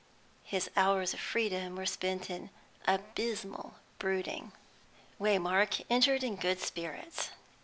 His hours of freedom were spent in abysmal brooding. Waymark entered in good spirits.